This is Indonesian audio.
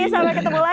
sampai ketemu lagi